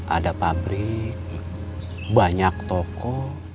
ada pabrik banyak toko